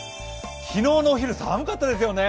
昨日のお昼、寒かったですよね。